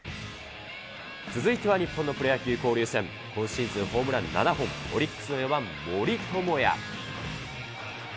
続いては日本のプロ野球交流戦、今シーズンホームラン７本、オリックスの４番森友哉。